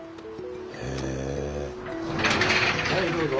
はいどうぞ。